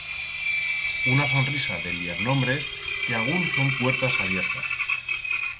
Una sonrisa de lier nombres que agún son puertas abiertas.